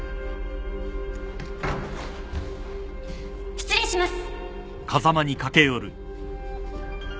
失礼します。